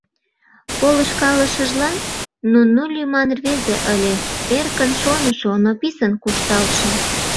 Полышкалышыжлан Нунну лӱман рвезе ыле, эркын шонышо, но писын куржталше.